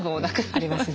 ありますね。